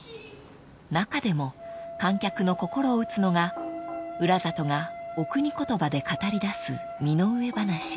［中でも観客の心を打つのが浦里がお国言葉で語りだす身の上話］